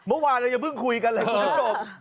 เมื่อวานเราอย่าเพิ่งคุยกันเลยคุณผู้ชม